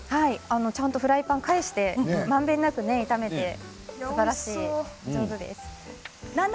ちゃんとフライパンを返してまんべんなく炒めてすばらしい、上手です。